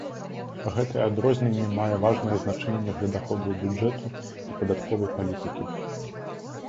Гэтае адрозненне мае важнае значэнне для даходаў бюджэту і падатковай палітыкі.